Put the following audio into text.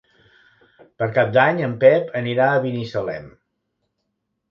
Per Cap d'Any en Pep anirà a Binissalem.